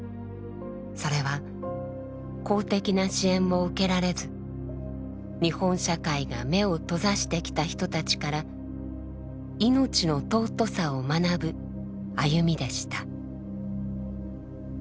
それは公的な支援を受けられず日本社会が目を閉ざしてきた人たちから「命の尊さ」を学ぶ歩みでした。